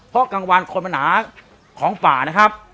เพราะกลางวันคนมันหาของป่านะครับ